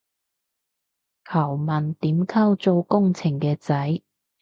求問點溝做工程嘅仔